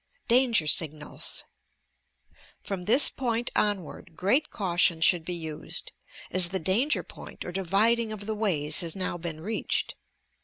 DANGER SIGNALS From this point onward, great caution should be used, as the danger point or dividing of the ways has now been reached.